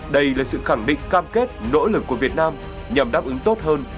đây là sự khẳng định cam kết nỗ lực của việt nam nhằm đáp ứng tốt hơn